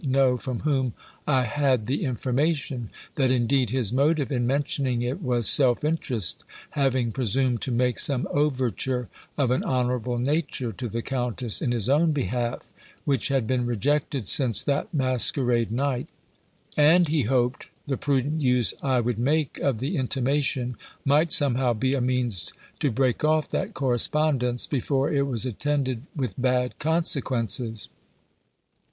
know from whom I had the information: that, indeed, his motive in mentioning it was self interest; having presumed to make some overture of an honourable nature to the Countess, in his own behalf; which had been rejected since that masquerade night: and he hoped the prudent use I would make of the intimation, might somehow be a means to break off that correspondence, before it was attended with bad consequences.